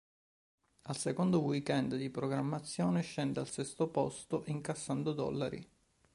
Al secondo weekend di programmazione scende al sesto posto incassando dollari.